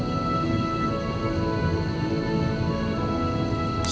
setelah akad nikah